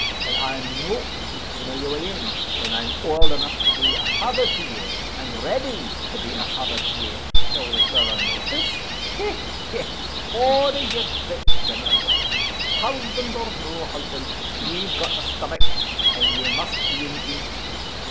Am I no' to be familiar wi' ye when I'm auld eneugh to be a fether to ye, and ready to be a fether to ye till further notice? Hech! hech! Order your bit dinner lassie. Husband or no husband, ye've got a stomach, and ye must een eat.